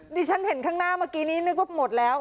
ที่ฉันเห็นข้างหน้าเมื่อกี้นี้นึกว่าหมดแล้ว